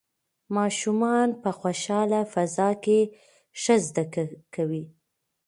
ماشومان په خوشحاله فضا کې ښه زده کوي.